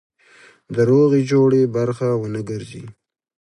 د روغې جوړې برخه ونه ګرځي.